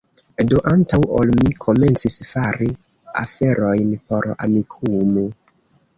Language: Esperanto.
Do, antaŭ ol mi komencis fari aferojn por Amikumu